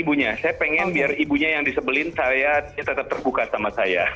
ibunya saya pengen biar ibunya yang disebelin saya tetap terbuka sama saya